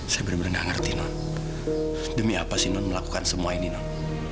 saya bener bener gak ngerti non demi apa sih non melakukan semua ini non